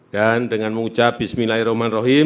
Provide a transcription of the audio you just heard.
dan dengan mengucap bismillahirrahmanirrahim